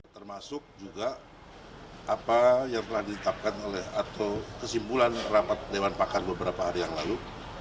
termasuk juga apa yang telah ditetapkan oleh atau kesimpulan rapat dewan pakar beberapa hari yang lalu